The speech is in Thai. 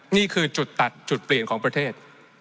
นี่คือจุดตัดจุดเปลี่ยนของประเทศ